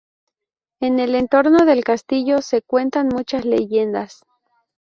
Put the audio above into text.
En el entorno del castillo se cuentan muchas leyendas.